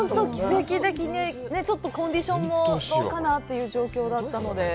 ちょっとコンディションもどうかなという状況だったので。